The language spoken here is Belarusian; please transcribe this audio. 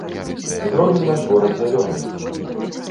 Зробім наш горад зялёным!